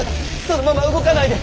そのまま動かないで。